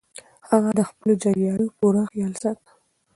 هغه د خپلو جنګیالیو پوره خیال ساته.